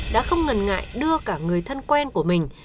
đã không ngần ngại đưa cả người thân quen của mình